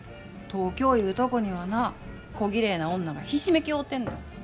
東京いうとこにはなこぎれいな女がひしめき合うてんねん。